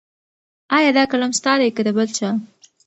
ایا دا قلم ستا دی که د بل چا؟